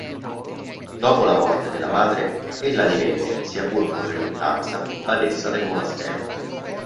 Dopo la morte della madre, ella divenne, sia pur con riluttanza, badessa del monastero.